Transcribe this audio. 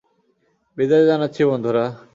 বিদায় জানাচ্ছি, বন্ধুরা!